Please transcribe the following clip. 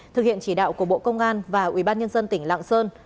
thực hiện chỉ đạo của bộ công an và ủy ban nhân dân tỉnh lạng sơn